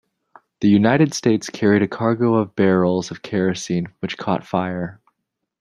The "United States" carried a cargo of barrels of kerosene, which caught fire.